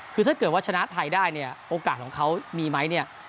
คือถ้าเกิดว่าชนะไทยได้เนี่ยโอกาสของเขามีไหมเนี่ย